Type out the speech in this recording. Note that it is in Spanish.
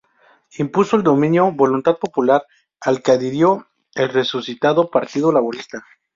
Impuso el denominado "Voluntad Popular", al que adhirió el resucitado Partido Laborista.